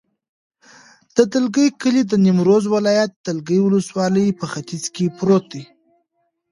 د دلکي کلی د نیمروز ولایت، دلکي ولسوالي په ختیځ کې پروت دی.